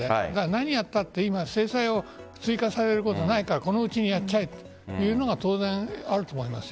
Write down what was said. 何をやっても今制裁を追加されることはないからこのうちにやっちゃえというのが当然あると思います。